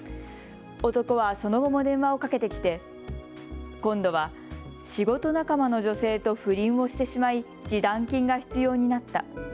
男はその後も電話をかけてきて今度は仕事仲間の女性と不倫をしてしまい示談金が必要になった。